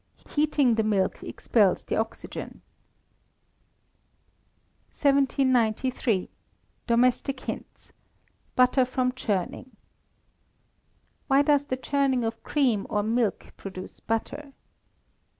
Heating the milk expels the oxygen. 1793. Domestic Hints (Butter from Churning). _Why does the churning of cream or milk produce butter?